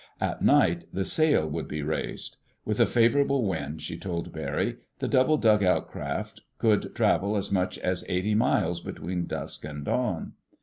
At night the sail would be raised. With a favorable wind, she told Barry, the double dugout craft could travel as much as eighty miles between dusk and dawn.